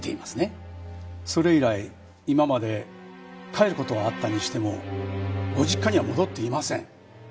それ以来今まで帰る事はあったにしてもご実家には戻っていません。